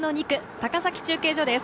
高崎中継所です。